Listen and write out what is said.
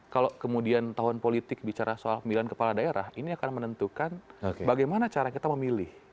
kalau kemudian tahun politik bicara soal pemilihan kepala daerah ini akan menentukan bagaimana cara kita memilih